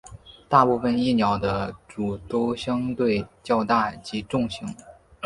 大部份蚁鸟的喙都相对较大及重型。